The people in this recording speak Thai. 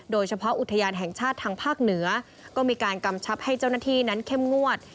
โดยเฉพาะอุทยานแห่งชาติทางภาคเหนือก็มีการกำชับให้เจ้าหน้าที่นั้นเข้มงวด